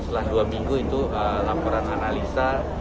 setelah dua minggu itu laporan analisa